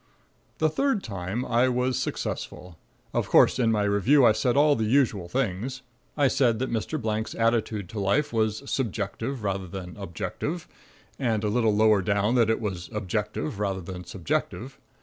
The third time I was successful. Of course in my review I said all the usual things. I said that Mr. Blank's attitude to life was "subjective rather than objective" ... and a little lower down that it was "objective rather than subjective."